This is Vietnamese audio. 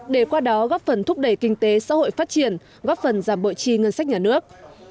để qua đó góp phần thúc đẩy kinh tế xã hội phát triển góp phần giảm bội trì ngân sách nhà nước